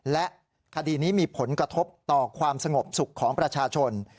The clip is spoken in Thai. และคดีนี้มีผลกระทบต่อความสงบสุขของประชาชน